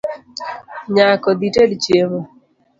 Nyako, dhited chiemo